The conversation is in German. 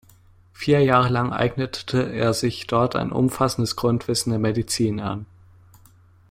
Vier Jahre lang eignete er sich dort ein umfassendes Grundwissen der Medizin an.